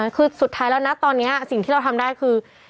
คือสุดท้ายแล้วนะตอนนี้สิ่งที่เราทำได้คือ